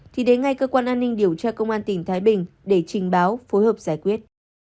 thì đến ngay cơ quan an ninh điều tra công an tỉnh thái bình để trình báo phối hợp giải quyết